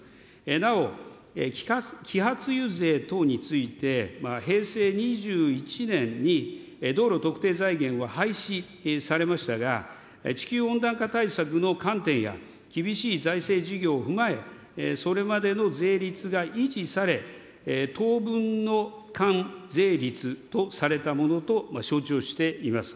なお、揮発油税等について、平成２１年に、道路特定財源は廃止されましたが、地球温暖化対策の観点や厳しい財政事情を踏まえ、それまでの税率が維持され、当分の関税率とされたものと承知をしています。